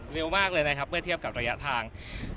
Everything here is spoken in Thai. เร็วมากเลยนะครับเมื่อเทียบกับระยะทาง